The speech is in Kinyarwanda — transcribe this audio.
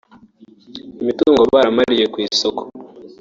imitungo baramariye ku isoko